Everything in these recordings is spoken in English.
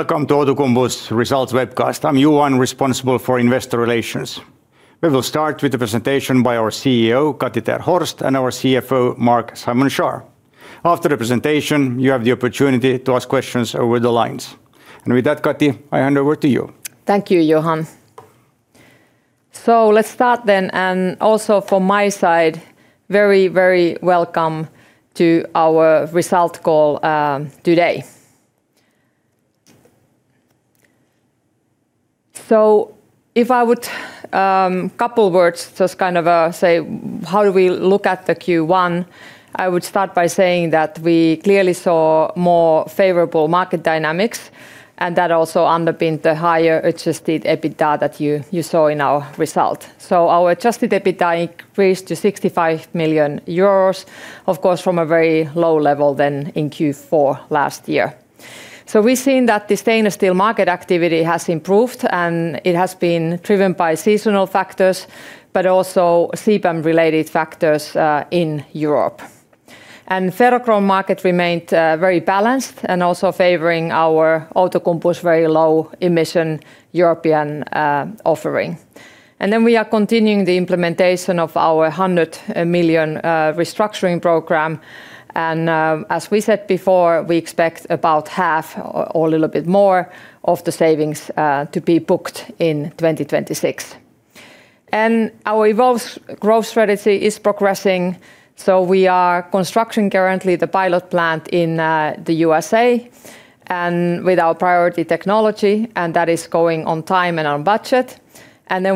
Welcome to Outokumpu's results webcast. I'm Johan, responsible for investor relations. We will start with the presentation by our CEO, Kati ter Horst, and our CFO, Marc-Simon Schaar. After the presentation, you have the opportunity to ask questions over the lines. With that, Kati, I hand over to you. Thank you, Johan. Let's start then, and also from my side, very, very welcome to our result call today. If I would couple words, just say how do we look at the Q1, I would start by saying that we clearly saw more favorable market dynamics, and that also underpinned the higher Adjusted EBITDA that you saw in our result. Our Adjusted EBITDA increased to 65 million euros, of course, from a very low level than in Q4 last year. We've seen that the stainless steel market activity has improved, and it has been driven by seasonal factors, but also CBAM-related factors in Europe. Ferrochrome market remained very balanced and also favoring our Outokumpu's very low emission European offering. We are continuing the implementation of our 100 million restructuring program. As we said before, we expect about half or a little bit more of the savings to be booked in 2026. Our EVOLVE growth strategy is progressing. We are constructing currently the pilot plant in the U.S.A. with our proprietary technology. That is going on time and on budget.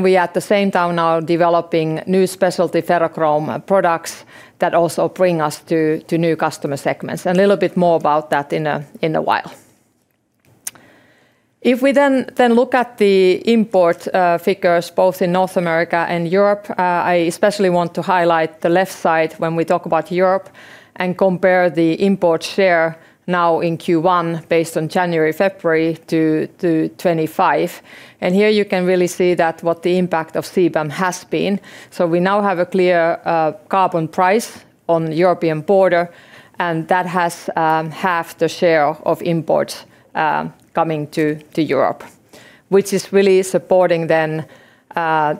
We at the same time now are developing new specialty ferrochrome products that also bring us to new customer segments. A little more about that in a while. If we then look at the import figures both in North America and Europe, I especially want to highlight the left side when we talk about Europe and compare the import share now in Q1 based on January, February to 2025. Here you can really see that what the impact of CBAM has been. We now have a clear carbon price on European border, and that has halved the share of imports coming to Europe, which is really supporting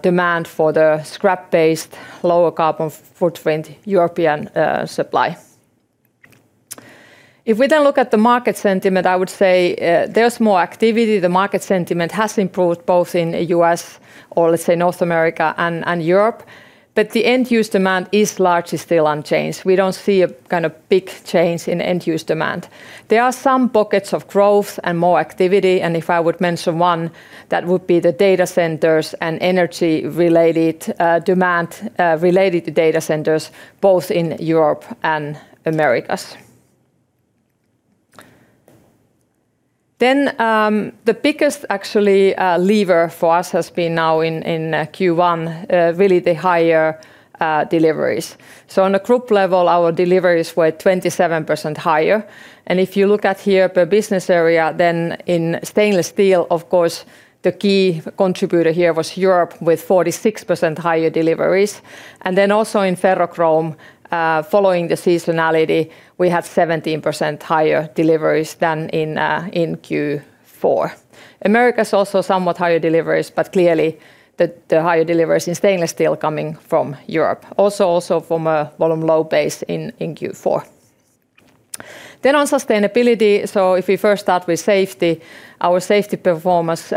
demand for the scrap-based lower carbon footprint European supply. We look at the market sentiment, I would say, there's more activity. The market sentiment has improved both in U.S. or, let's say, North America and Europe, but the end use demand is largely still unchanged. We don't see a kind of big change in end use demand. There are some pockets of growth and more activity, if I would mention one, that would be the data centers and energy-related demand related to data centers, both in Europe and Americas. The biggest actually lever for us has been now in Q1 really the higher deliveries. On a group level, our deliveries were 27% higher. If you look at here per Business Area, in stainless steel, of course, the key contributor here was Europe with 46% higher deliveries. Also in ferrochrome, following the seasonality, we had 17% higher deliveries than in Q4. Americas also somewhat higher deliveries, but clearly the higher deliveries in stainless steel coming from Europe, also from a volume low base in Q4. On sustainability, if we first start with safety, our safety performance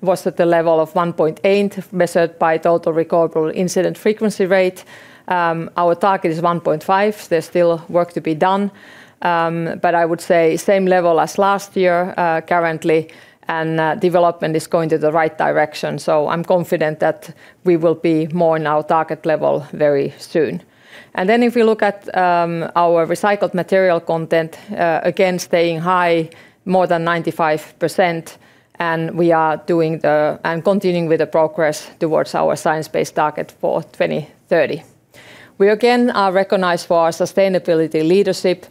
was at the level of 1.8 measured by total recordable incident frequency rate. Our target is 1.5. There's still work to be done, I would say same level as last year, currently, and development is going to the right direction. I'm confident that we will be more in our target level very soon. If you look at our recycled material content, again staying high, more than 95%, continuing with the progress towards our science-based target for 2030. We again are recognized for our sustainability leadership.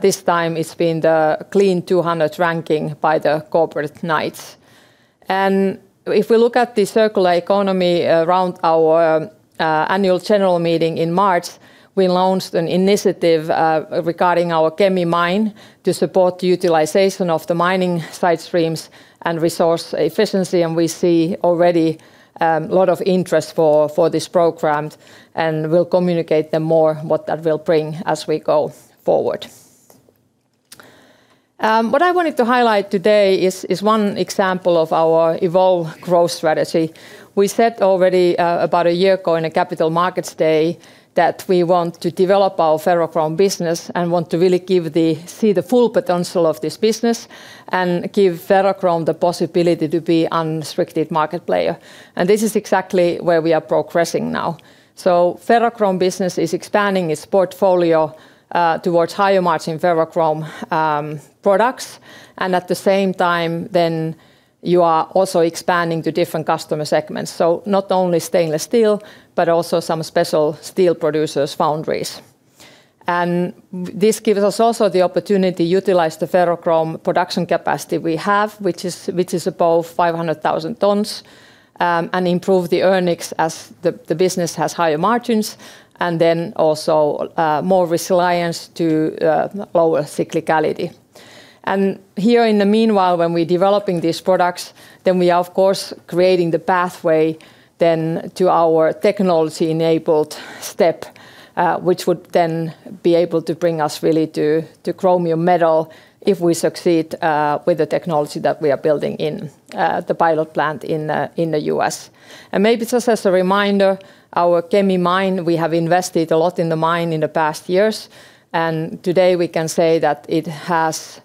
This time it's been the Clean200 ranking by the Corporate Knights. If we look at the circular economy around our annual general meeting in March, we launched an initiative regarding our Kemi mine to support the utilization of the mining site streams and resource efficiency, and we see already lot of interest for this program, and we'll communicate them more what that will bring as we go forward. What I wanted to highlight today is one example of our EVOLVE growth strategy. We said already about a year ago in a capital markets day that we want to develop our ferrochrome business and want to really see the full potential of this business and give ferrochrome the possibility to be unrestricted market player. This is exactly where we are progressing now. Ferrochrome business is expanding its portfolio towards higher margin ferrochrome products, and at the same time then you are also expanding to different customer segments, so not only stainless steel, but also some special steel producers foundries. This gives us also the opportunity to utilize the ferrochrome production capacity we have, which is above 500,000 tonnes, and improve the earnings as the business has higher margins and then also more resilience to lower cyclicality. Here in the meanwhile, when we're developing these products, then we are of course creating the pathway then to our technology-enabled step, which would then be able to bring us really to chromium metal if we succeed with the technology that we are building in the pilot plant in the U.S. Maybe just as a reminder, our Kemi mine, we have invested a lot in the mine in the past years, and today we can say that it has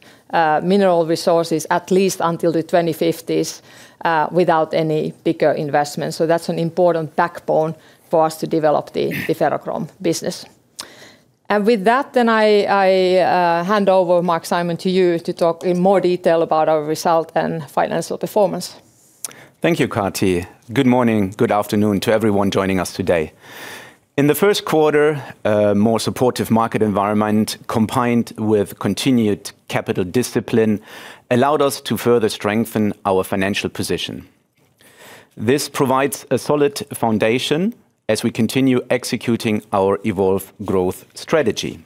mineral resources at least until the 2050s without any bigger investment. That's an important backbone for us to develop the ferrochrome business. With that I hand over, Marc-Simon, to you to talk in more detail about our result and financial performance. Thank you, Kati. Good morning, good afternoon to everyone joining us today. In the first quarter, a more supportive market environment combined with continued capital discipline allowed us to further strengthen our financial position. This provides a solid foundation as we continue executing our EVOLVE growth strategy.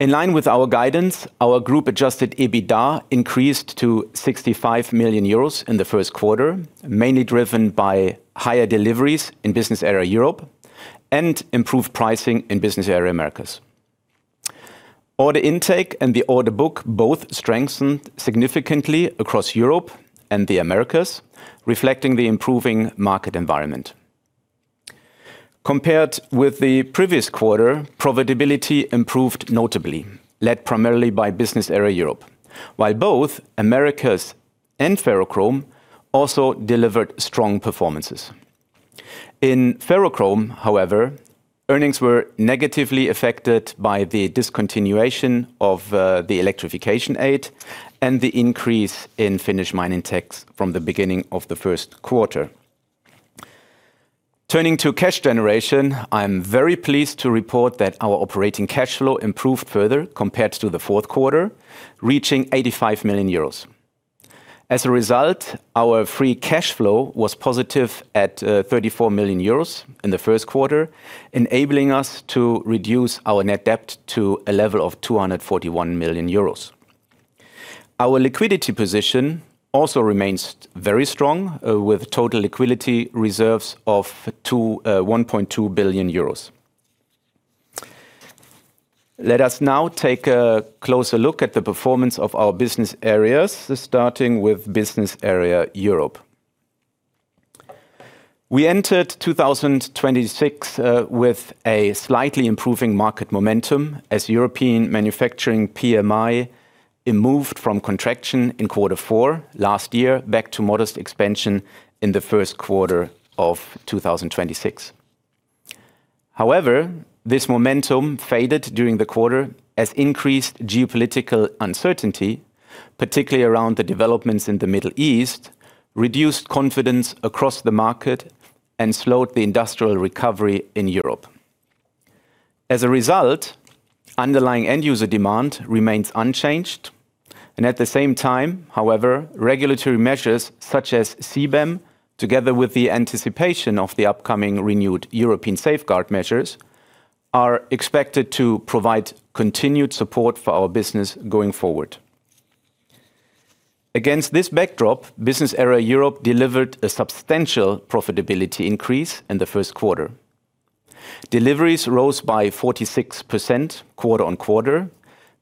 In line with our guidance, our Group-Adjusted EBITDA increased to 65 million euros in the first quarter, mainly driven by higher deliveries in Business Area Europe and improved pricing in Business Area Americas. Order intake and the order book both strengthened significantly across Europe and the Americas, reflecting the improving market environment. Compared with the previous quarter, profitability improved notably, led primarily by Business Area Europe, while both Americas and Ferrochrome also delivered strong performances. In ferrochrome, however, earnings were negatively affected by the discontinuation of the electrification aid and the increase in Finnish Mining Tax Act from the beginning of the first quarter. Turning to cash generation, I am very pleased to report that our operating cash flow improved further compared to the fourth quarter, reaching 85 million euros. As a result, our free cash flow was positive at 34 million euros in the first quarter, enabling us to reduce our net debt to a level of 241 million euros. Our liquidity position also remains very strong with total liquidity reserves of 1.2 billion euros. Let us now take a closer look at the performance of our business areas, starting with Business Area Europe. We entered 2026 with a slightly improving market momentum as European manufacturing PMI, it moved from contraction in quarter four last year back to modest expansion in the first quarter of 2026. This momentum faded during the quarter as increased geopolitical uncertainty, particularly around the developments in the Middle East, reduced confidence across the market and slowed the industrial recovery in Europe. As a result, underlying end user demand remains unchanged, and at the same time, however, regulatory measures such as CBAM, together with the anticipation of the upcoming renewed European safeguard measures, are expected to provide continued support for our business going forward. Against this backdrop, Business Area Europe delivered a substantial profitability increase in the first quarter. Deliveries rose by 46% quarter on quarter,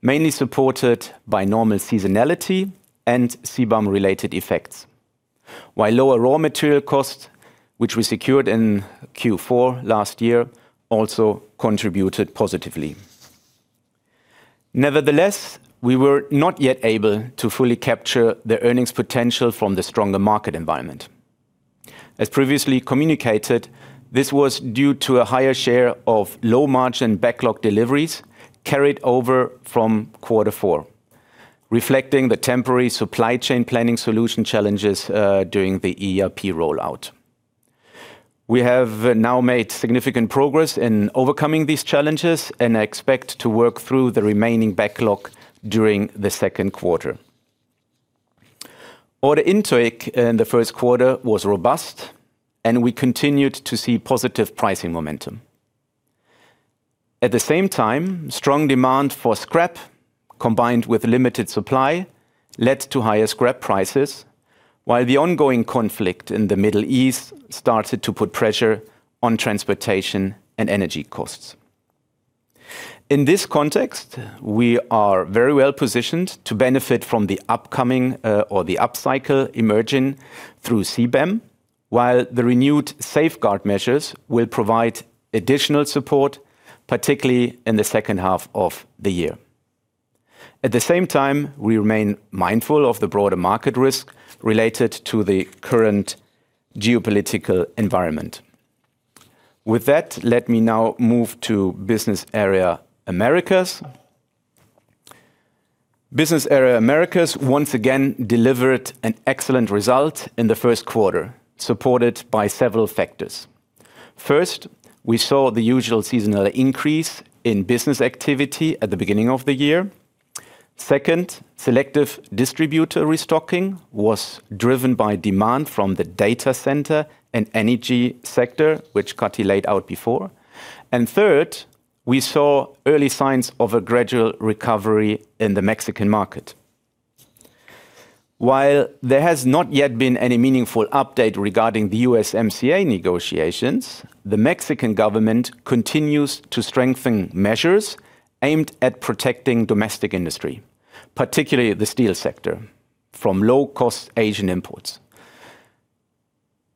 mainly supported by normal seasonality and CBAM-related effects. While lower raw material cost, which we secured in Q4 last year, also contributed positively. Nevertheless, we were not yet able to fully capture the earnings potential from the stronger market environment. As previously communicated, this was due to a higher share of low-margin backlog deliveries carried over from quarter four, reflecting the temporary supply chain planning solution challenges during the ERP rollout. We have now made significant progress in overcoming these challenges and expect to work through the remaining backlog during the second quarter. Order intake in the first quarter was robust, and we continued to see positive pricing momentum. At the same time, strong demand for scrap combined with limited supply led to higher scrap prices, while the ongoing conflict in the Middle East started to put pressure on transportation and energy costs. In this context, we are very well positioned to benefit from the upcoming, or the upcycle emerging through CBAM, while the renewed safeguard measures will provide additional support, particularly in the second half of the year. At the same time, we remain mindful of the broader market risk related to the current geopolitical environment. With that, let me now move to Business Area Americas. Business Area Americas once again delivered an excellent result in the first quarter, supported by several factors. First, we saw the usual seasonal increase in business activity at the beginning of the year. Second, selective distributor restocking was driven by demand from the data center and energy sector, which Kati laid out before. Third, we saw early signs of a gradual recovery in the Mexican market. While there has not yet been any meaningful update regarding the USMCA negotiations, the Mexican government continues to strengthen measures aimed at protecting domestic industry, particularly the steel sector from low-cost Asian imports.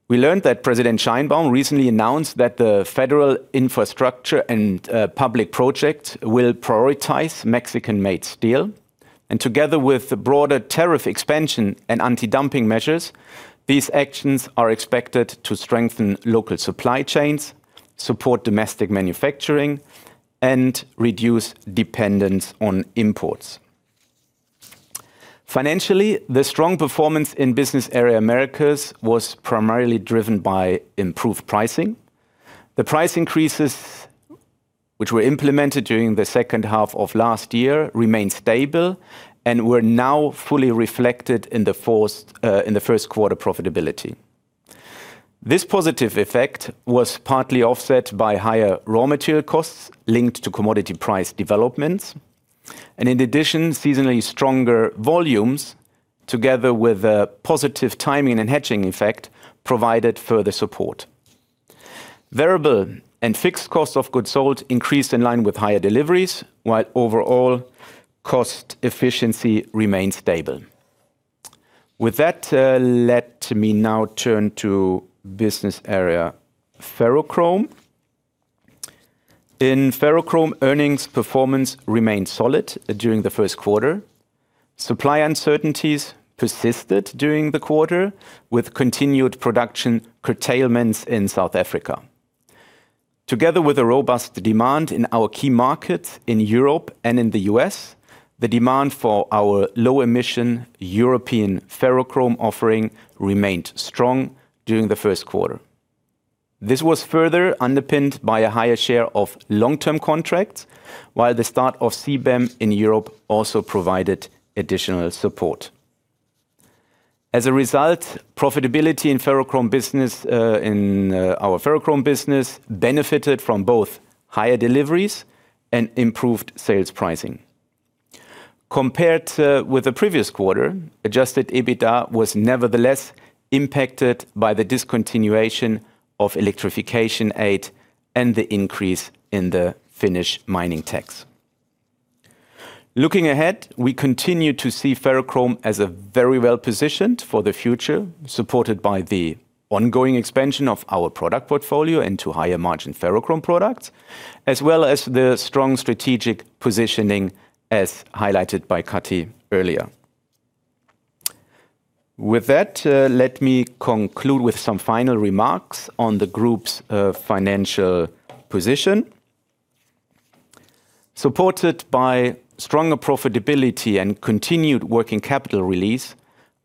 We learned that President Sheinbaum recently announced that the federal infrastructure and public project will prioritize Mexican-made steel. Together with the broader tariff expansion and anti-dumping measures, these actions are expected to strengthen local supply chains, support domestic manufacturing, and reduce dependence on imports. Financially, the strong performance in Business Area Americas was primarily driven by improved pricing. The price increases, which were implemented during the second half of last year, remain stable and were now fully reflected in the first quarter profitability. This positive effect was partly offset by higher raw material costs linked to commodity price developments. In addition, seasonally stronger volumes together with a positive timing and hedging effect provided further support. Variable and fixed cost of goods sold increased in line with higher deliveries, while overall cost efficiency remained stable. With that, let me now turn to Business Area Ferrochrome. In Business Area Ferrochrome, earnings performance remained solid during the first quarter. Supply uncertainties persisted during the quarter with continued production curtailments in South Africa. Together with a robust demand in our key markets in Europe and in the U.S., the demand for our low emission European ferrochrome offering remained strong during the first quarter. This was further underpinned by a higher share of long-term contracts, while the start of CBAM in Europe also provided additional support. As a result, profitability in our Business Area Ferrochrome benefited from both higher deliveries and improved sales pricing. Compared with the previous quarter, Adjusted EBITDA was nevertheless impacted by the discontinuation of electrification aid and the increase in the Finnish Mining Tax. Looking ahead, we continue to see ferrochrome as very well-positioned for the future, supported by the ongoing expansion of our product portfolio into higher margin ferrochrome products, as well as the strong strategic positioning as highlighted by Kati earlier. With that, let me conclude with some final remarks on the group's financial position. Supported by stronger profitability and continued working capital release,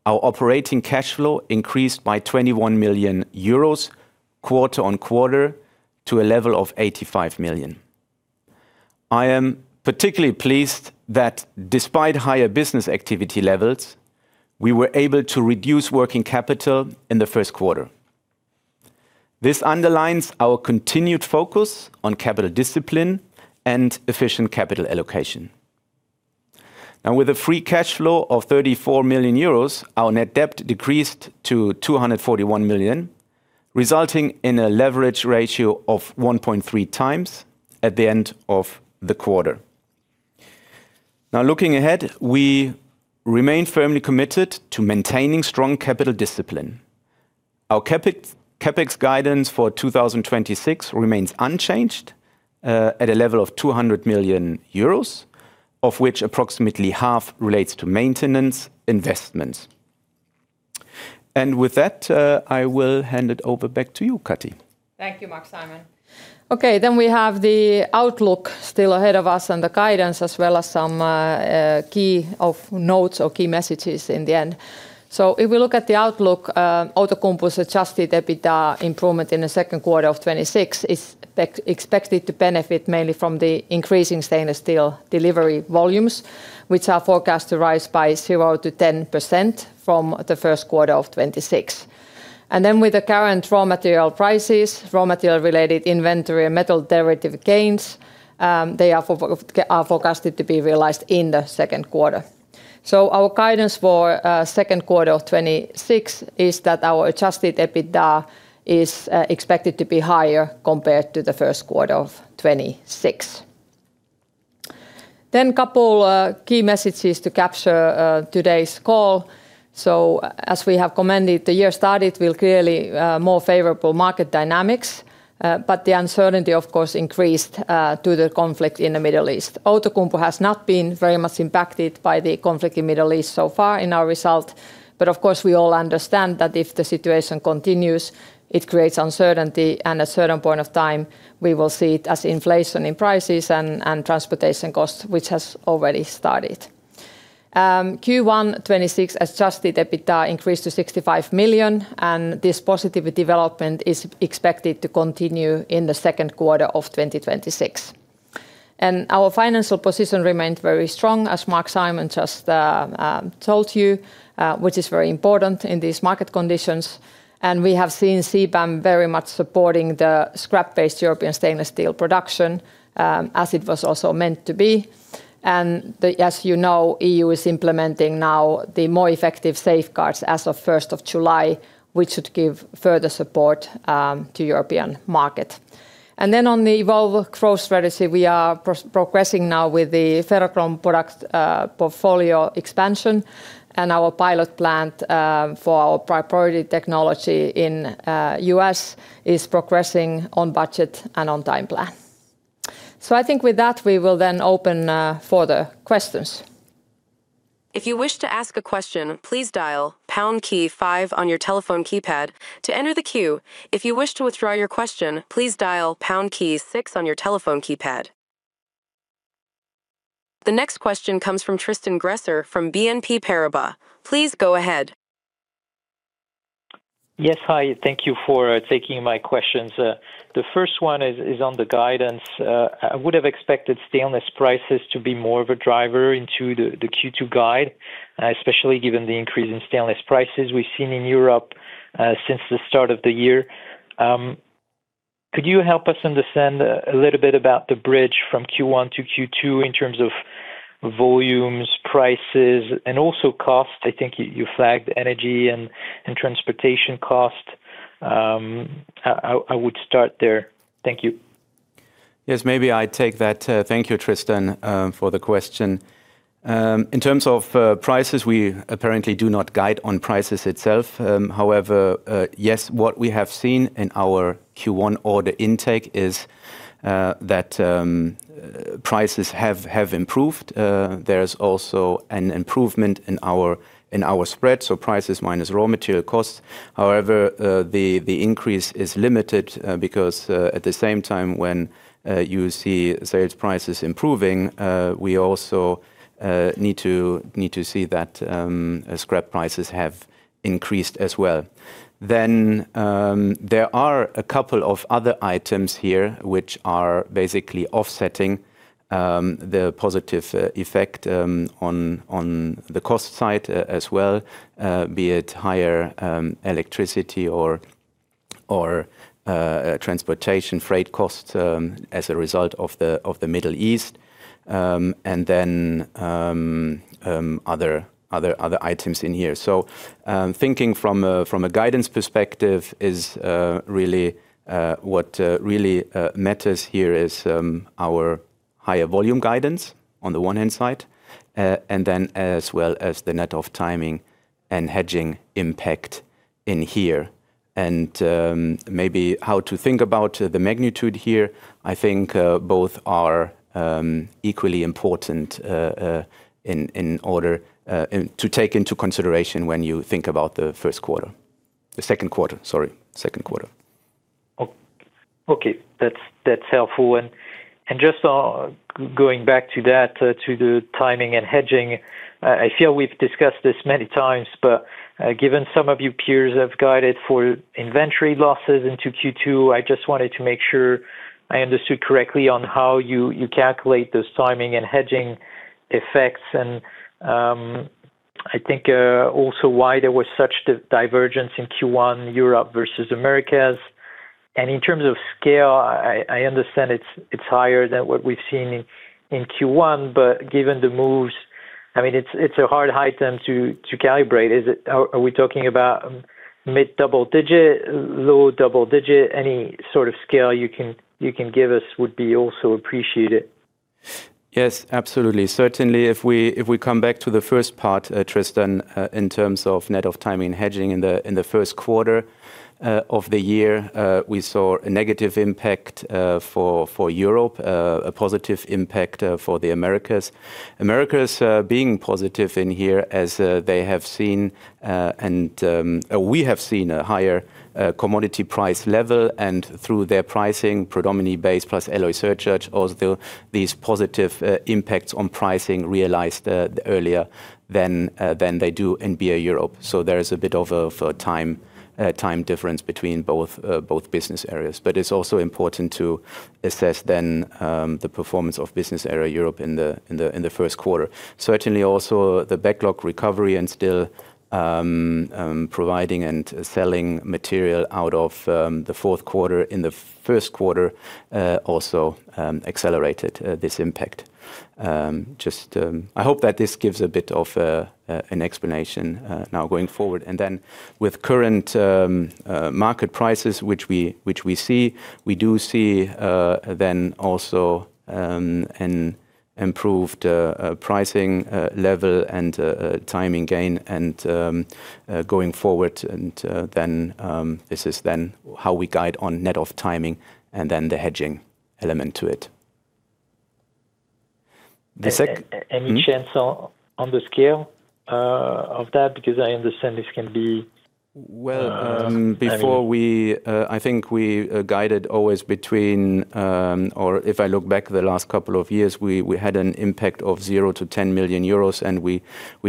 our operating cash flow increased by 21 million euros quarter-on-quarter to a level of 85 million. I am particularly pleased that despite higher business activity levels, we were able to reduce working capital in the first quarter. This underlines our continued focus on capital discipline and efficient capital allocation. With a free cash flow of 34 million euros, our net debt decreased to 241 million, resulting in a leverage ratio of 1.3 times at the end of the quarter. Looking ahead, we remain firmly committed to maintaining strong capital discipline. Our CapEx guidance for 2026 remains unchanged, at a level of 200 million euros, of which approximately half relates to maintenance investments. With that, I will hand it over back to you, Kati. Thank you, Marc-Simon. We have the outlook still ahead of us and the guidance as well as some key messages in the end. If we look at the outlook, Outokumpu's Adjusted EBITDA improvement in the second quarter of 2026 is expected to benefit mainly from the increasing stainless steel delivery volumes, which are forecast to rise by 0%-10% from the first quarter of 2026. With the current raw material prices, raw material related inventory and metal derivative gains, they are forecasted to be realized in the second quarter. Our guidance for second quarter of 2026 is that our Adjusted EBITDA is expected to be higher compared to the first quarter of 2026. Couple key messages to capture today's call. As we have commented, the year started with clearly more favorable market dynamics, but the uncertainty of course increased due to the conflict in the Middle East. Outokumpu has not been very much impacted by the conflict in the Middle East so far in our result. Of course, we all understand that if the situation continues, it creates uncertainty and a certain point of time we will see it as inflation in prices and transportation costs, which has already started. Q1 2026 Adjusted EBITDA increased to 65 million, and this positive development is expected to continue in the second quarter of 2026. Our financial position remained very strong, as Marc-Simon just told you, which is very important in these market conditions. We have seen CBAM very much supporting the scrap-based European stainless steel production, as it was also meant to be. As you know, EU is implementing now the more effective safeguards as of July 1st, which should give further support to European market. On the EVOLVE growth strategy, we are progressing now with the ferrochrome product portfolio expansion, and our pilot plant for our proprietary technology in U.S. is progressing on budget and on time plan. I think with that, we will then open for the questions. If you wish to ask a question please dial pound key five on your telephone keypad to enter the queue. If you wish to withdraw your question please dial pound key six on your telephone keypad. The next question comes from Tristan Gresser from BNP Paribas. Please go ahead. Yes. Hi. Thank you for taking my questions. The first one is on the guidance. I would have expected stainless prices to be more of a driver into the Q2 guide, especially given the increase in stainless prices we've seen in Europe since the start of the year. Could you help us understand a little bit about the bridge from Q1 to Q2 in terms of volumes, prices, and also costs? I think you flagged energy and transportation costs. I would start there. Thank you. Yes, maybe I take that. Thank you, Tristan, for the question. In terms of prices, we apparently do not guide on prices itself. However, yes, what we have seen in our Q1 order intake is that prices have improved. There is also an improvement in our spread, so prices minus raw material costs. However, the increase is limited because at the same time, when you see sales prices improving, we also need to see that scrap prices have increased as well. There are a couple of other items here which are basically offsetting the positive effect on the cost side as well, be it higher electricity or transportation freight costs as a result of the Middle East, and then other items in here. Thinking from a guidance perspective is really what really matters here is our higher volume guidance on the one hand side, and then as well as the net of timing and hedging impact in here. Maybe how to think about the magnitude here, I think both are equally important in order to take into consideration when you think about the first quarter. The second quarter, sorry, second quarter. Okay. That's helpful. Just going back to that to the timing and hedging, I feel we've discussed this many times, but given some of your peers have guided for inventory losses into Q2, I just wanted to make sure I understood correctly on how you calculate those timing and hedging effects and I think also why there was such divergence in Q1 Europe versus Americas. In terms of scale, I understand it's higher than what we've seen in Q1, but given the moves, I mean, it's a hard item to calibrate. Are we talking about mid double digit, low double digit? Any sort of scale you can give us would be also appreciated. Yes, absolutely. Certainly if we, if we come back to the first part, Tristan, in terms of net of timing hedging in the first quarter of the year, we saw a negative impact for Europe, a positive impact for the Americas. Americas being positive in here as they have seen and we have seen a higher commodity price level and through their pricing predominately base plus alloy surcharge, also these positive impacts on pricing realized earlier than they do in BA Europe. There is a bit of a for time difference between both business areas. It's also important to assess then the performance of Business Area Europe in the first quarter. Certainly also the backlog recovery and still providing and selling material out of the fourth quarter in the first quarter, also accelerated this impact. Just I hope that this gives a bit of an explanation now going forward. Then with current market prices, which we see, we do see then also an improved pricing level and timing gain and going forward, and then this is then how we guide on net of timing and then the hedging element to it. [Tristan]? Any chance on the scale of that? Well, before we, I think we guided always between, or if I look back the last couple of years, we had an impact of 0 to 10 million euros, and we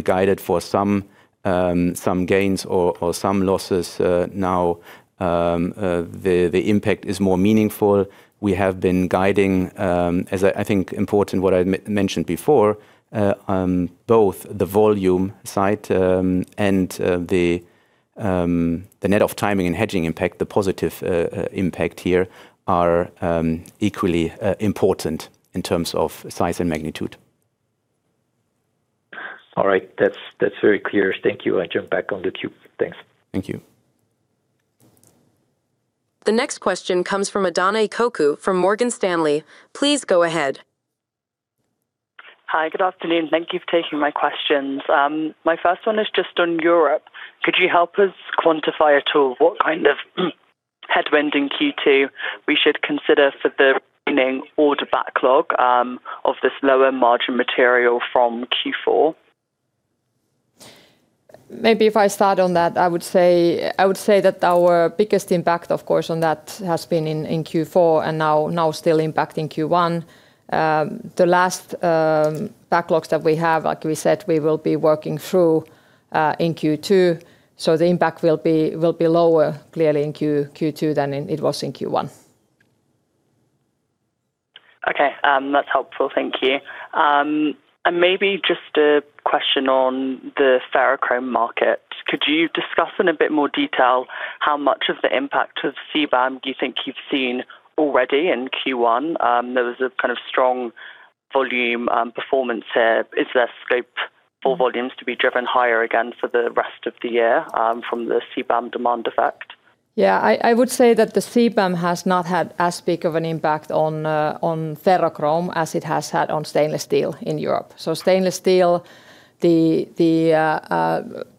guided for some gains or some losses. Now, the impact is more meaningful. We have been guiding, as I think important what I mentioned before, both the volume side, and the net of timing and hedging impact, the positive impact here are equally important in terms of size and magnitude. All right. That's very clear. Thank you. I jump back on the queue. Thanks. Thank you. The next question comes from Adahna Ekoku from Morgan Stanley. Please go ahead. Hi. Good afternoon. Thank you for taking my questions. My first one is just on Europe. Could you help us quantify at all what kind of headwind in Q2 we should consider for the remaining order backlog of this lower margin material from Q4? Maybe if I start on that, I would say that our biggest impact, of course, on that has been in Q4 and now still impact in Q1. The last backlogs that we have, like we said, we will be working through in Q2, the impact will be lower clearly in Q2 than it was in Q1. Okay. That's helpful. Thank you. Maybe just a question on the ferrochrome market. Could you discuss in a bit more detail how much of the impact of CBAM do you think you've seen already in Q1? There was a kind of strong volume performance there. Is there scope for volumes to be driven higher again for the rest of the year from the CBAM demand effect? I would say that the CBAM has not had as big of an impact on ferrochrome as it has had on stainless steel in Europe. Stainless steel, the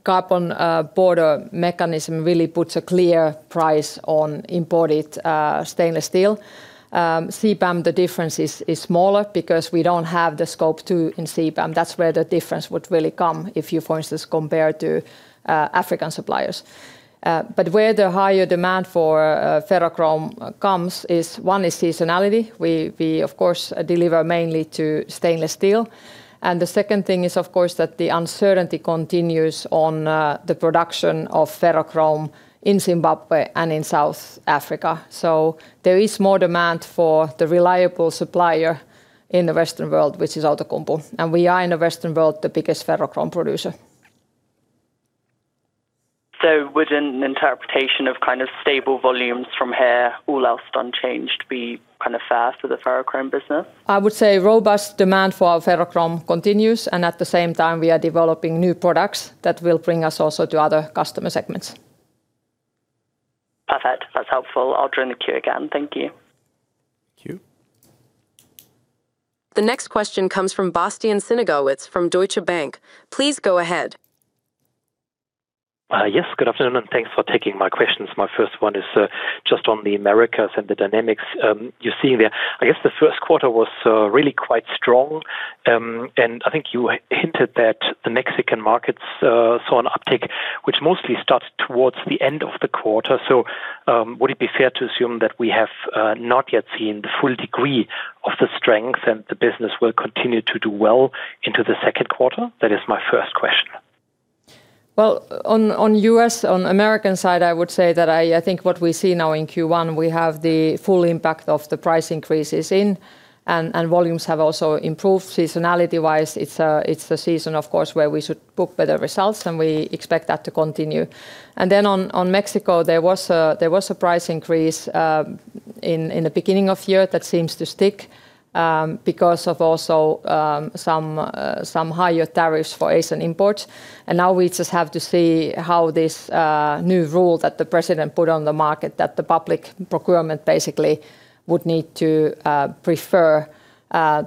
Carbon Border Mechanism really puts a clear price on imported stainless steel. CBAM, the difference is smaller because we don't have the Scope 2 in CBAM. That's where the difference would really come if you, for instance, compare to African suppliers. Where the higher demand for ferrochrome comes is, one is seasonality. We of course deliver mainly to stainless steel. The second thing is, of course, that the uncertainty continues on the production of ferrochrome in Zimbabwe and in South Africa. There is more demand for the reliable supplier in the Western world, which is Outokumpu, and we are in the Western world the biggest ferrochrome producer. Would an interpretation of kind of stable volumes from here, all else unchanged, be kind of fair for the ferrochrome business? I would say robust demand for our ferrochrome continues, and at the same time we are developing new products that will bring us also to other customer segments. Perfect. That's helpful. I'll join the queue again. Thank you. Thank you. The next question comes from Bastian Synagowitz from Deutsche Bank. Please go ahead. Yes, good afternoon, thanks for taking my questions. My first one is just on the Americas and the dynamics you see there. I guess the first quarter was really quite strong. I think you hinted that the Mexican markets saw an uptick, which mostly starts towards the end of the quarter. Would it be fair to assume that we have not yet seen the full degree of the strength and the business will continue to do well into the second quarter? That is my 1st question. On U.S. side, I think what we see now in Q1, we have the full impact of the price increases, and volumes have also improved seasonality-wise. It's the season, of course, where we should book better results. We expect that to continue. On Mexico, there was a price increase in the beginning of year that seems to stick because of also some higher tariffs for Asian imports. Now we just have to see how this new rule that the President put on the market, that the public procurement basically would need to prefer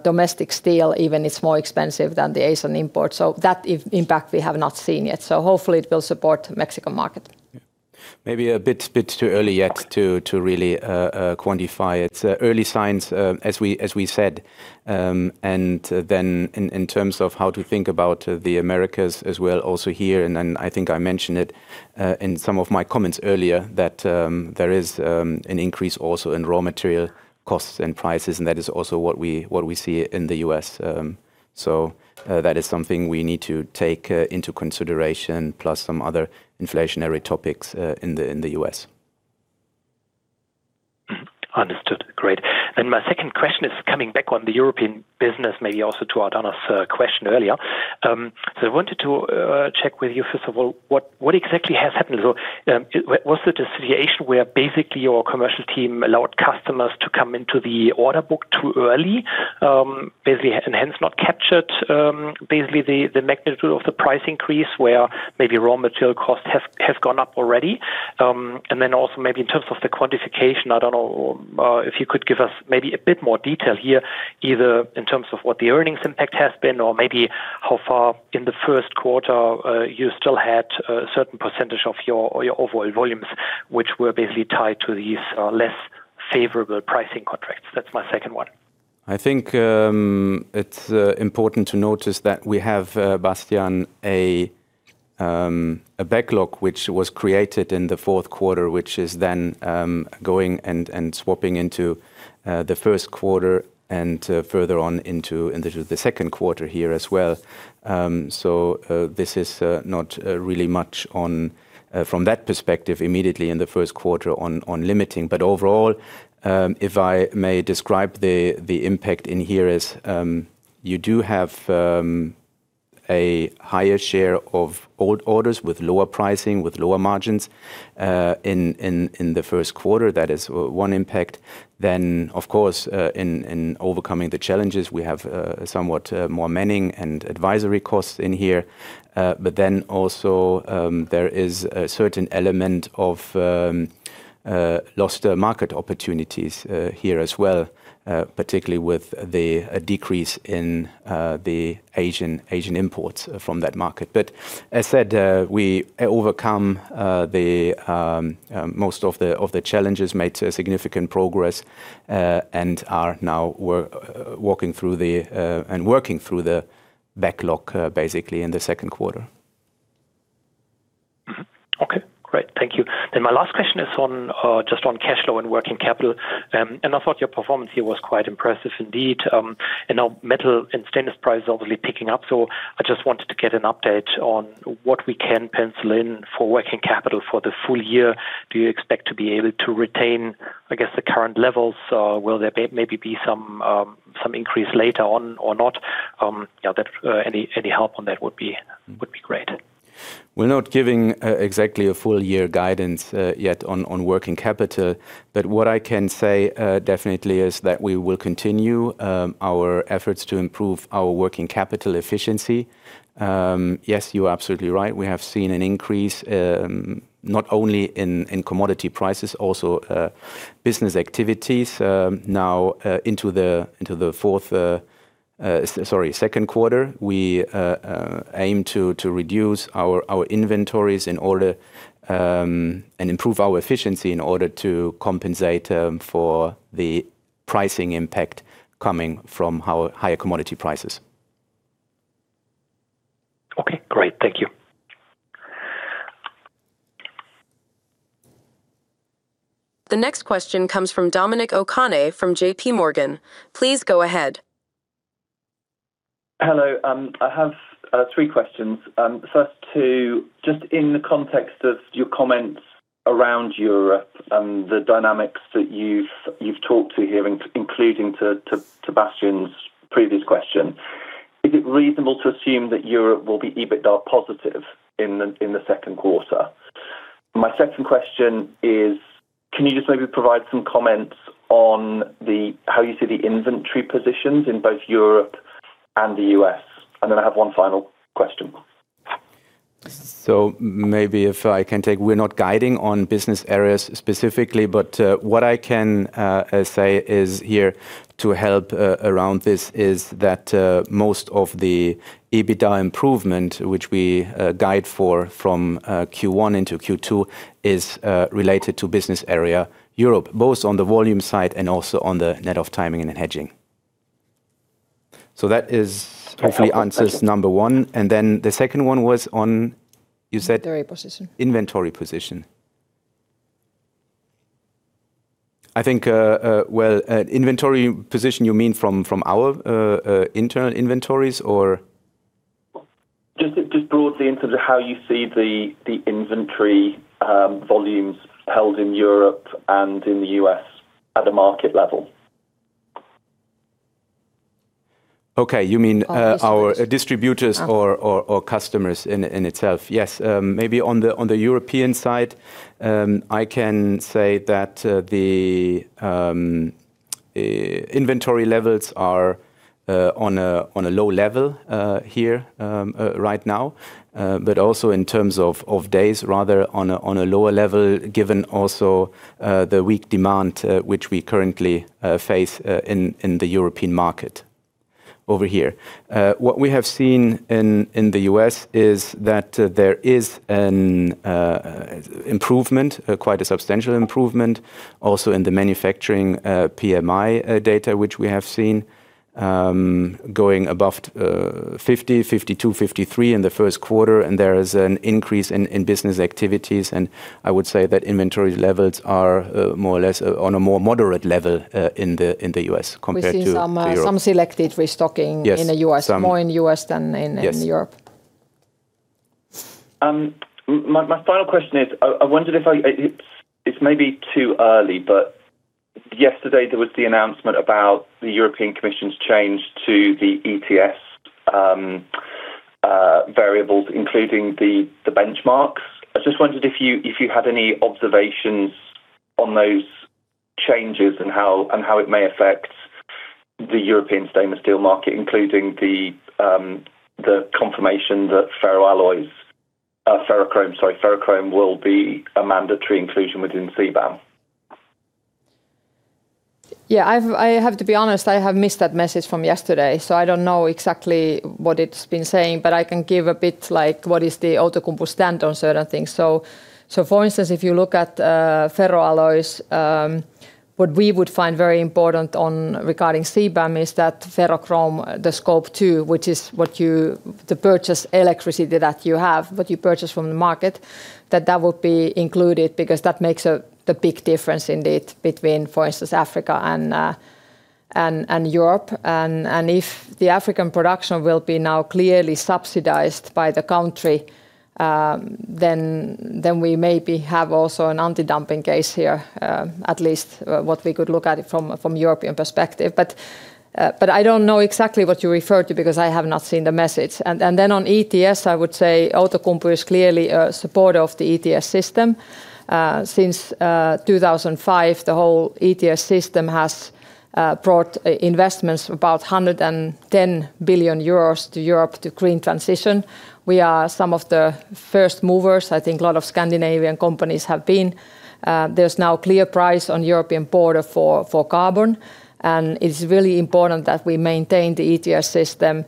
domestic steel even it's more expensive than the Asian imports. That impact we have not seen yet. Hopefully it will support Mexican market. Maybe a bit too early yet to really quantify it. Early signs, as we said, and then in terms of how to think about the Americas as well also here, and then I think I mentioned it in some of my comments earlier that there is an increase also in raw material costs and prices, and that is also what we, what we see in the U.S. That is something we need to take into consideration, plus some other inflationary topics in the U.S. Understood. Great. My second question is coming back on the European business, maybe also to Adahna's question earlier. I wanted to check with you, first of all, what exactly has happened? Was it a situation where basically your commercial team allowed customers to come into the order book too early, and hence not captured the magnitude of the price increase where maybe raw material costs has gone up already? Also maybe in terms of the quantification, I don't know, if you could give us maybe a bit more detail here, either in terms of what the earnings impact has been or maybe how far in the first quarter, you still had a certain percentage of your overall volumes, which were basically tied to these less favorable pricing contracts. That's my second one. I think it's important to notice that we have Bastian, a backlog which was created in the fourth quarter, which is then going and swapping into the first quarter and further on into and this is the second quarter here as well. This is not really much on from that perspective immediately in the first quarter on limiting. Overall, if I may describe the impact in here is, you do have a higher share of old orders with lower pricing, with lower margins in the first quarter. That is one impact. Of course, in overcoming the challenges, we have somewhat more manning and advisory costs in here. also, there is a certain element of lost market opportunities here as well, particularly with the decrease in the Asian imports from that market. As said, we overcome the most of the challenges, made significant progress, and are now walking through the and working through the backlog basically in the second quarter. Okay, great. Thank you. My last question is on just on cash flow and working capital. I thought your performance here was quite impressive indeed. Now metal and stainless price is obviously picking up, so I just wanted to get an update on what we can pencil in for working capital for the full year. Do you expect to be able to retain, I guess, the current levels? Will there maybe be some increase later on or not? Any help on that would be great. We're not giving exactly a full year guidance yet on working capital. What I can say definitely is that we will continue our efforts to improve our working capital efficiency. Yes, you are absolutely right. We have seen an increase not only in commodity prices, also business activities. Now, into the second quarter, we aim to reduce our inventories in order and improve our efficiency in order to compensate for the pricing impact coming from our higher commodity prices. Okay, great. Thank you. The next question comes from Dominic O'Kane from JPMorgan. Please go ahead. Hello. I have three questions. First two, just in the context of your comments around Europe and the dynamics that you've talked to here, including to Bastian's previous question. Is it reasonable to assume that Europe will be EBITDA positive in the second quarter? My second question is, can you just maybe provide some comments on how you see the inventory positions in both Europe and the U.S.? I have one final question. Maybe if I can take, we're not guiding on business areas specifically, but what I can say is here to help around this is that most of the EBITDA improvement which we guide for from Q1 into Q2 is related to Business Area Europe, both on the volume side and also on the net of timing and hedging. That helps. Hopefully answers number one. The second one was on. Inventory position. Inventory position. I think, well, inventory position, you mean from our internal inventories or? Just broadly in terms of how you see the inventory volumes held in Europe and in the U.S. at the market level. Okay. Distributors. Our distributors or customers in itself. Yes. Maybe on the European side, I can say that the inventory levels are on a low level here right now. Also in terms of days rather on a lower level, given also the weak demand which we currently face in the European market over here. What we have seen in the U.S. is that there is an improvement, quite a substantial improvement also in the manufacturing PMI data, which we have seen going above 50, 52, 53 in the first quarter, and there is an increase in business activities. I would say that inventory levels are more or less on a more moderate level in the U.S. compared to Europe. We've seen some selected restocking. Yes. In the U.S. Some- More in U.S. than in. Yes. In Europe. My final question is, I wondered if it's maybe too early, but yesterday there was the announcement about the European Commission's change to the ETS variables, including the benchmarks. I just wondered if you had any observations on those changes and how it may affect the European stainless steel market, including the confirmation that ferroalloys, ferrochrome, sorry, ferrochrome will be a mandatory inclusion within CBAM. I have to be honest, I have missed that message from yesterday. I don't know exactly what it's been saying. I can give a bit, like what is the Outokumpu stand on certain things. For instance, if you look at ferroalloys, what we would find very important on regarding CBAM is that ferrochrome, the Scope 2, which is what you the purchased electricity that you have, what you purchase from the market, that would be included because that makes a big difference indeed between, for instance, Africa and Europe. If the African production will be now clearly subsidized by the country, we maybe have also an anti-dumping case here, at least what we could look at it from European perspective. I don't know exactly what you referred to because I have not seen the message. On ETS, I would say Outokumpu is clearly a supporter of the ETS system. Since 2005, the whole ETS system has brought investments about 110 billion euros to Europe to green transition. We are some of the first movers. I think a lot of Scandinavian companies have been. There is now clear price on European border for carbon, and it is really important that we maintain the ETS system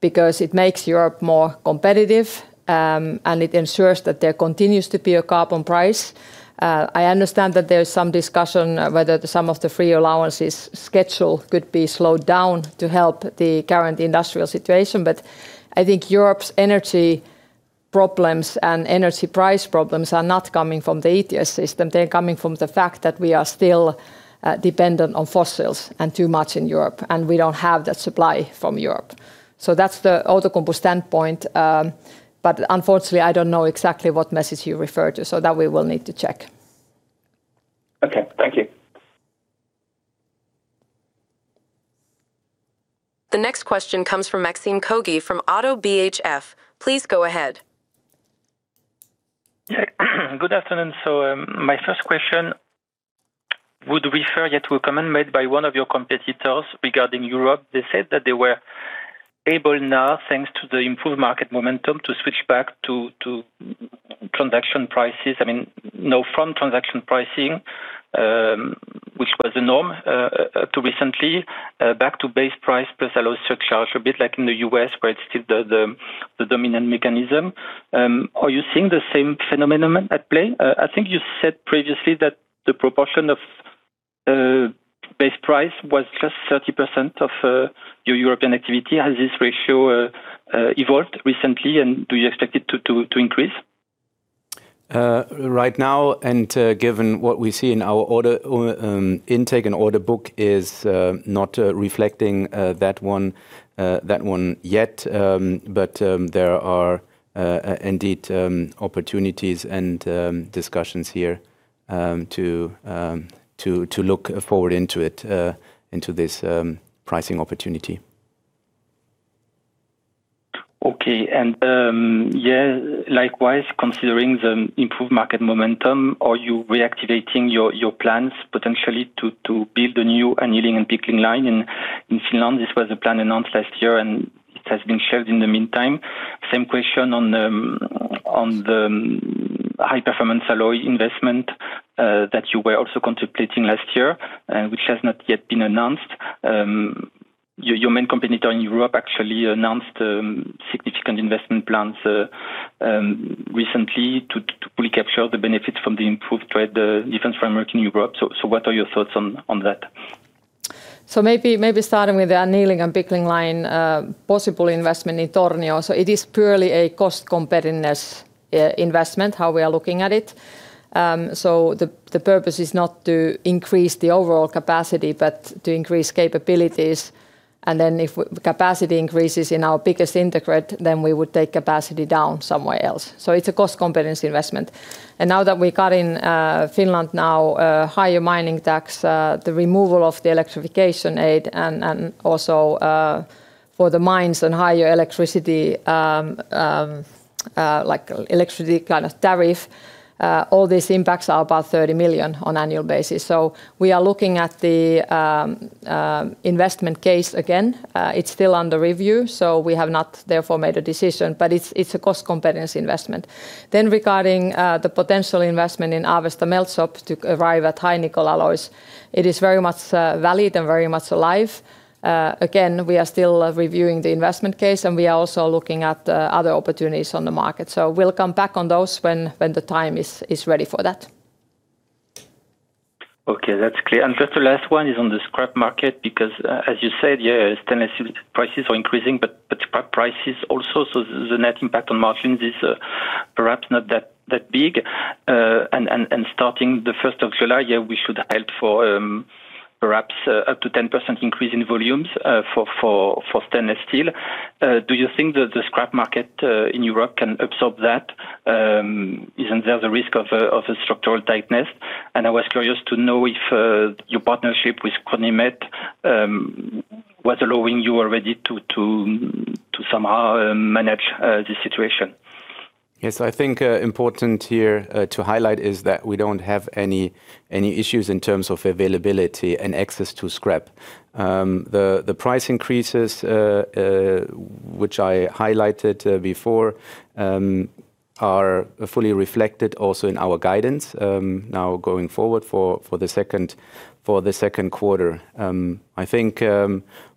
because it makes Europe more competitive, and it ensures that there continues to be a carbon price. I understand that there is some discussion whether some of the free allowances schedule could be slowed down to help the current industrial situation. I think Europe's energy problems and energy price problems are not coming from the ETS system. They're coming from the fact that we are still dependent on fossils and too much in Europe, and we don't have that supply from Europe. That's the Outokumpu standpoint. Unfortunately, I don't know exactly what message you referred to, so that we will need to check. Okay. Thank you. The next question comes from Maxime Kogge from ODDO BHF. Please go ahead. Good afternoon. My first question would refer you to a comment made by one of your competitors regarding Europe. They said that they were able now, thanks to the improved market momentum, to switch back to transaction prices. I mean, you know, from transaction pricing, which was the norm, to recently, back to base price plus alloy surcharge, a bit like in the U.S., where it's still the dominant mechanism. Are you seeing the same phenomenon at play? I think you said previously that the proportion of base price was just 30% of your European activity. Has this ratio evolved recently, and do you expect it to increase? Right now and given what we see in our order or intake and order book is not reflecting that one that one yet. There are indeed opportunities and discussions here to look forward into it into this pricing opportunity. Okay. Likewise, considering the improved market momentum, are you reactivating your plans potentially to build a new annealing and pickling line in Finland? This was a plan announced last year, and it has been shelved in the meantime. Same question on the high-performance alloy investment that you were also contemplating last year, which has not yet been announced. Your main competitor in Europe actually announced significant investment plans recently to really capture the benefits from the improved trade defense framework in Europe. What are your thoughts on that? Maybe starting with the annealing and pickling line, possible investment in Tornio. It is purely a cost competitiveness investment, how we are looking at it. The purpose is not to increase the overall capacity but to increase capabilities. If capacity increases in our biggest integrate, then we would take capacity down somewhere else. It's a cost competitiveness investment. Now that we got in Finland now, higher mining tax, the removal of the electrification aid and also for the mines and higher electricity, like electricity kind of tariff, all these impacts are about 30 million on annual basis. We are looking at the investment case again. It's still under review, we have not therefore made a decision, but it's a cost competitiveness investment. Regarding the potential investment in Avesta meltshop to arrive at high-nickel alloys, it is very much valid and very much alive. Again, we are still reviewing the investment case, and we are also looking at other opportunities on the market. We'll come back on those when the time is ready for that. Okay, that's clear. Just the last one is on the scrap market because as you said, yeah, stainless steel prices are increasing, but scrap prices also. The net impact on margins is perhaps not that big. Starting the first of July, yeah, we should head for perhaps up to 10% increase in volumes for stainless steel. Do you think that the scrap market in Europe can absorb that? Isn't there the risk of a structural tightness? I was curious to know if your partnership with Cronimet was allowing you already to somehow manage this situation. Yes. I think important here to highlight is that we don't have any issues in terms of availability and access to scrap. The price increases which I highlighted before are fully reflected also in our guidance now going forward for the second quarter. I think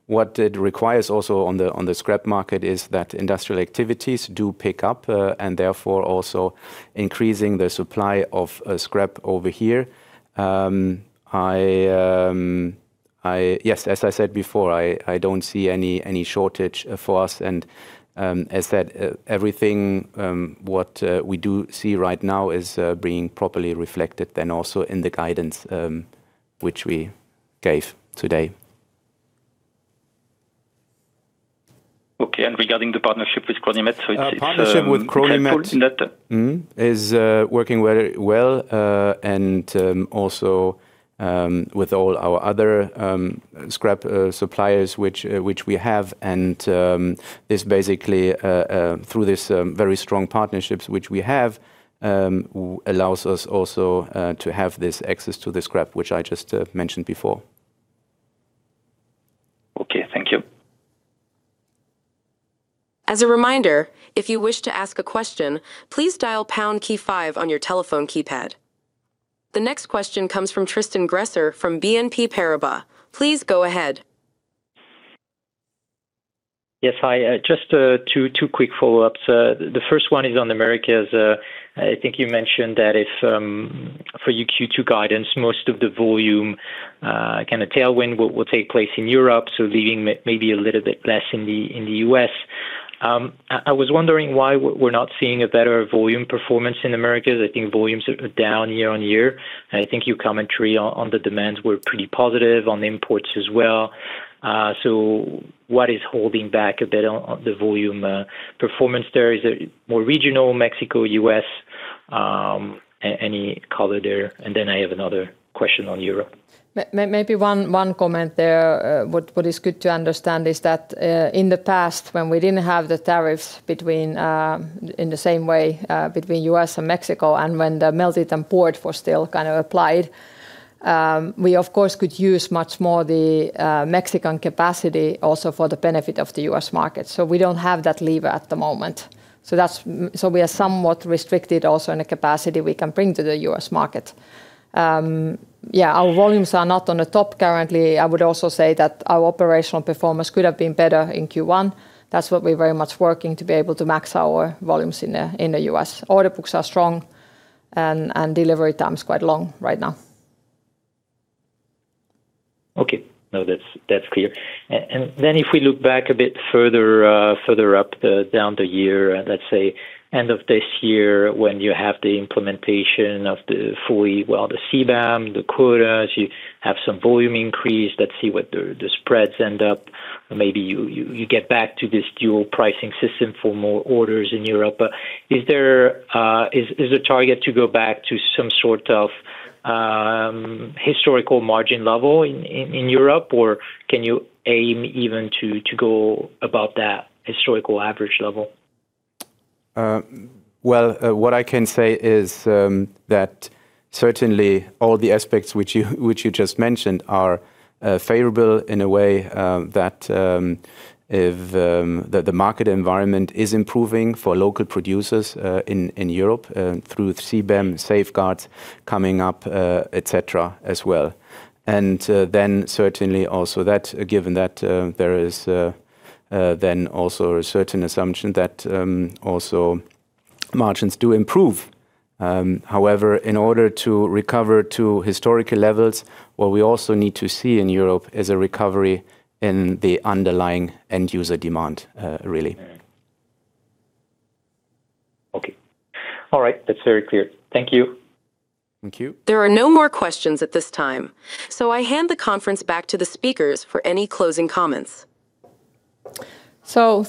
what it requires also on the scrap market is that industrial activities do pick up and therefore also increasing the supply of scrap over here. As I said before, I don't see any shortage for us and as that everything what we do see right now is being properly reflected and also in the guidance which we gave today. Okay. Regarding the partnership with Cronimet. Partnership with Cronimet Helpful in that? Is working very well, and also with all our other scrap suppliers which we have, and this basically through this very strong partnerships which we have, allows us also to have this access to the scrap which I just mentioned before. Okay. Thank you. The next question comes from Tristan Gresser from BNP Paribas. Please go ahead. Yes. Hi, just two quick follow-ups. The first one is on Americas. I think you mentioned that if, for your Q2 guidance, most of the volume kind of tailwind will take place in Europe, so leaving maybe a little bit less in the U.S. I was wondering why we're not seeing a better volume performance in Americas. I think volumes are down year-on-year. I think your commentary on the demands were pretty positive on the imports as well. What is holding back a bit on the volume performance there? Is it more regional, Mexico, U.S.? Any color there? I have another question on Europe. Maybe one comment there. What is good to understand is that in the past when we didn't have the tariffs between in the same way between U.S. and Mexico and when the melt and pour were still kind of applied, we of course could use much more the Mexican capacity also for the benefit of the U.S. market. We don't have that lever at the moment. We are somewhat restricted also in the capacity we can bring to the U.S. market. Yeah, our volumes are not on the top currently. I would also say that our operational performance could have been better in Q1. That's what we're very much working to be able to max our volumes in the U.S. order books are strong and delivery time's quite long right now. Okay. No, that's clear. Then if we look back a bit further up the, down the year, let's say end of this year when you have the implementation of the fully, the CBAM, the quotas, you have some volume increase. Let's see what the spreads end up. Maybe you get back to this dual pricing system for more orders in Europe. Is there, is the target to go back to some sort of historical margin level in Europe or can you aim even to go above that historical average level? Well, what I can say is that certainly all the aspects which you just mentioned are favorable in a way, that if the market environment is improving for local producers in Europe, through CBAM safeguards coming up, et cetera as well. Then certainly also that given that there is then also a certain assumption that also margins do improve. However, in order to recover to historical levels, what we also need to see in Europe is a recovery in the underlying end user demand, really. Okay. All right. That's very clear. Thank you. Thank you. There are no more questions at this time. I hand the conference back to the speakers for any closing comments.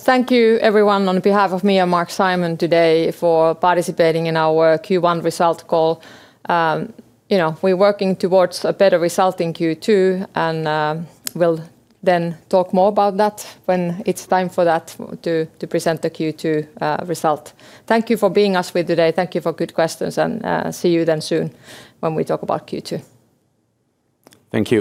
Thank you everyone on behalf of me and Marc-Simon today for participating in our Q1 result call. you know, we're working towards a better result in Q2, and we'll then talk more about that when it's time for that to present the Q2 result. Thank you for being us with today. Thank you for good questions and see you then soon when we talk about Q2. Thank you.